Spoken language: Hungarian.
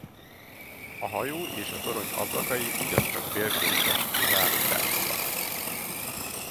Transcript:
A hajó és a torony ablakai ugyancsak félköríves záródásúak.